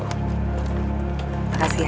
terima kasih ya